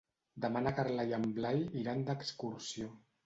Demà na Carla i en Blai iran d'excursió.